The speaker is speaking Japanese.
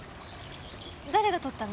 誰が撮ったの？